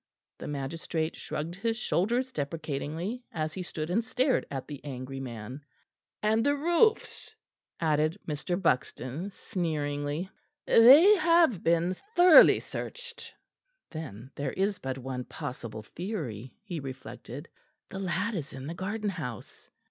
The magistrate shrugged his shoulders deprecatingly, as he stood and stared at the angry man. "And the roofs?" added Mr. Buxton sneeringly. "They have been thoroughly searched." Then there is but one possible theory, he reflected. The lad is in the garden house.